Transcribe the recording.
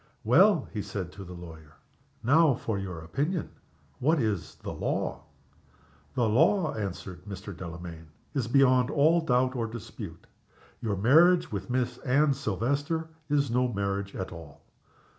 "Well," he said to the lawyer, "now for your opinion! What is the law?" "The law," answered Mr. Delamayn, "is beyond all doubt or dispute. Your marriage with Miss Anne Silvester is no marriage at all."